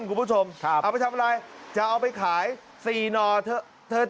คุณผู้ชมครับเอาไปทำอะไรจะเอาไปขาย๔หน่อเถอะ